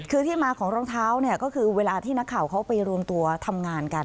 คือที่มาของรองเท้าเนี่ยก็คือเวลาที่นักข่าวเขาไปรวมตัวทำงานกัน